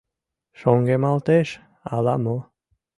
Шоҥгемалтеш ала-мо...